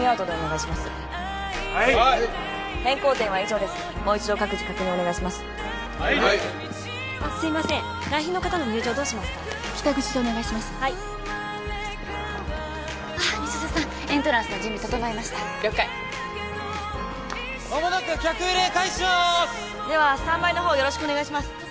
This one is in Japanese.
ではスタンバイの方よろしくお願いします。